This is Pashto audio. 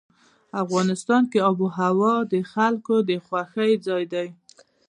افغانستان کې آب وهوا د خلکو د خوښې ځای دی.